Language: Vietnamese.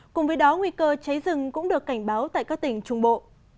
cùng với đó nguy cơ cháy rừng cũng được cảnh báo tại các tỉnh trung bộ